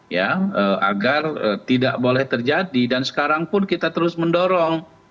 ya agar tidak boleh terjadi dan sekarang pun kita terus mendorong